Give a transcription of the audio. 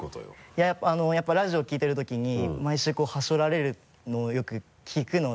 いややっぱりラジオ聞いてるときに毎週こうはしょられるのをよく聞くので。